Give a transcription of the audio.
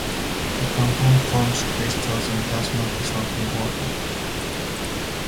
The compound forms crystals and does not dissolve in water.